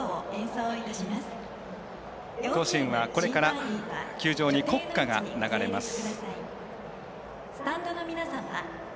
甲子園からこれから球場に国歌が流れます。